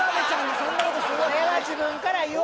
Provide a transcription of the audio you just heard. ・それは自分から言おう！